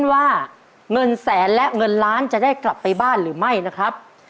ว่าเงินแสนและเงินล้านจะได้กลับไปบ้านหรือไม่นะครับ